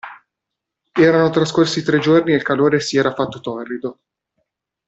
Erano trascorsi tre giorni e il calore si era fatto torrido.